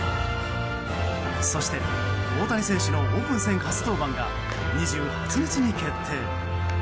そして、大谷選手のオープン戦初登板が２８日に決定。